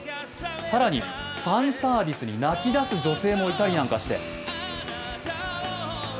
更に、ファンサービスに泣き出す女性もいたりなんかして。